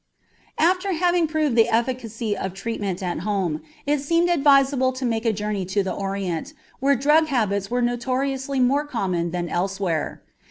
After having proved the efficacy of treatment at home it seemed advisable to make a journey to the Orient, where drug habits were notoriously more common than elsewhere.